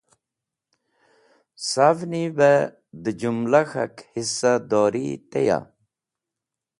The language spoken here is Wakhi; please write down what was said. Savni bẽ dẽ jũmla k̃hak hisa dori teya?